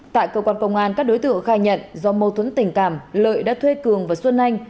tại cơ quan công an các đối tượng khai nhận do mâu thuẫn tình cảm lợi đã thuê cường và xuân anh